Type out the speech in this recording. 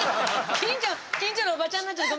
近所のおばちゃんになっちゃった。